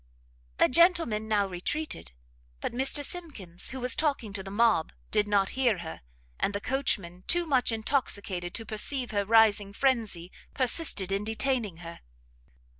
The gentleman now retreated; but Mr Simkins, who was talking to the mob, did not hear her; and the coachman, too much intoxicated to perceive her rising frenzy, persisted in detaining her.